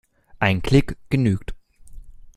Ein Klick genügt.